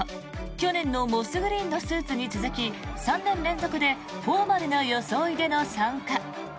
去年のモスグリーンのスーツに続き３年連続でフォーマルな装いでの参加。